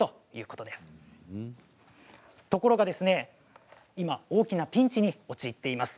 ところが、今、大きなピンチに陥っています。